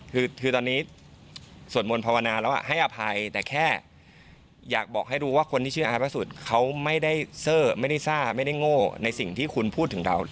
คือตอนนี้สวดมนต์ภาวนาแล้วให้อภัยแต่แค่อยากบอกให้รู้ว่าคนที่ชื่ออายพระสุทธิ์เขาไม่ได้เซอร์ไม่ได้ซ่าไม่ได้โง่ในสิ่งที่คุณพูดถึงเรา